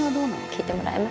聞いてもらえます？